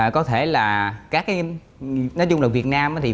có thể là các cái nói chung là việt nam thì vẫn